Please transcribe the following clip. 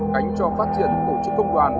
khánh cho phát triển tổ chức công đoàn